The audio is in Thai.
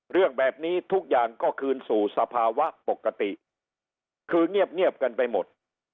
เรื่องแบบนี้ทุกอย่างก็คืนสู่สภาวะปกติคือเงียบกันไปหมด